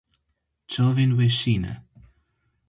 Çavên wê şîn e.